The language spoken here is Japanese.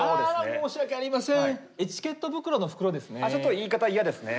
申し訳ありません。